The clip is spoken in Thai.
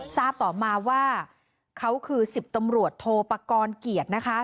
ทราบตอบมาว่าเขาคือ๑๐ตำรวจโทรประกอลเกียจนะคะ